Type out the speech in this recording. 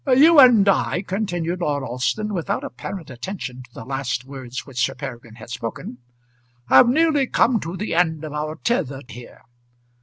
"You and I," continued Lord Alston, without apparent attention to the last words which Sir Peregrine had spoken, "have nearly come to the end of our tether here.